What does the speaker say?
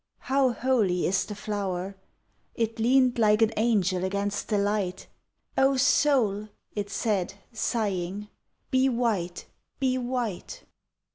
How holy is the flower! It leaned like an angel against the light; "O soul!" it said, sighing, "be white, be white!"